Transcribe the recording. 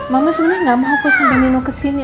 mama sebenernya gak mau hapus sampai nino kesini